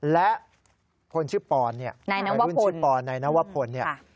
และคนชื่อปอนเนี่ยรุ่นชื่อปอนนายนวพล